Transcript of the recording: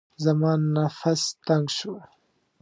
زما نفس تنګ شو.